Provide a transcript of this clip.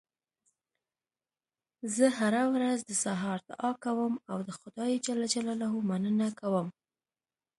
زه هره ورځ د سهار دعا کوم او د خدای ج مننه کوم